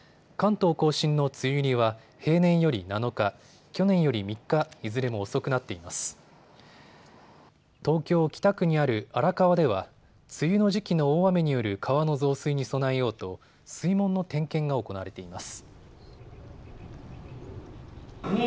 東京北区にある荒川では梅雨の時期の大雨による川の増水に備えようと水門の点検が行われています。